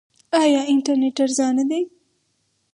آیا انټرنیټ ارزانه دی؟